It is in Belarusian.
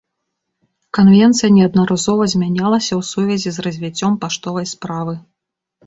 Канвенцыя неаднаразова змянялася ў сувязі з развіццём паштовай справы.